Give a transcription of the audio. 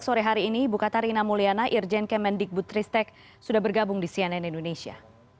sore hari ini bukatarina mulyana irjen kemendik butristek sudah bergabung di cnn indonesia